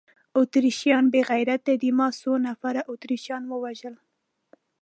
اتریشیان بې غیرته دي، ما څو نفره اتریشیان ووژل؟